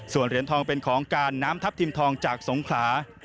ส่วนเหรียญทองเป็นของการน้ำทัพทิมทองจากสงขลา